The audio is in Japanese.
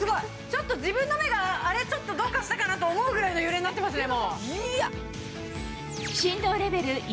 ちょっと自分の目がちょっとどうかしたかなと思うぐらいの揺れになってますね。